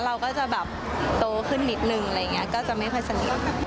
เราก็จะแบบโตขึ้นนิดนึงอะไรอย่างนี้ก็จะไม่ค่อยสนิท